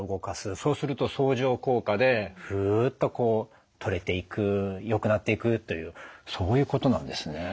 そうすると相乗効果でフッとこう取れていくよくなっていくというそういうことなんですね。